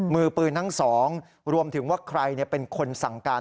มือปืนทั้งสองรวมถึงว่าใครเป็นคนสั่งการ